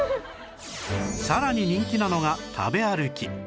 さらに人気なのが食べ歩き